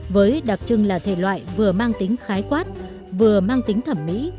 với đặc trưng là thể loại vừa mang tính khái quát vừa mang tính thẩm mỹ